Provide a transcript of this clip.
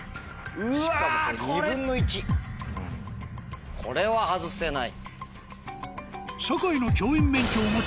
しかもこれ２分の１これは外せない。